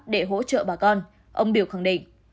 để hỗ trợ bà con ông biểu khẳng định